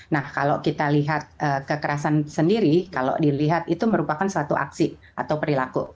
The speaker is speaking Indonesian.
nah kalau kita lihat kekerasan sendiri kalau dilihat itu merupakan suatu aksi atau perilaku